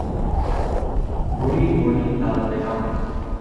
بوڑھی گھوڑی لال لگام